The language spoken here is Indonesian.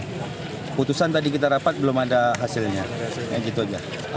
keputusan tadi kita rapat belum ada hasilnya